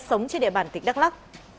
sống trên địa bàn tỉnh đắk lắc